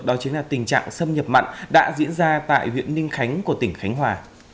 đó chính là tình trạng xâm nhập mặn đã diễn ra tại huyện ninh khánh của tỉnh khánh hòa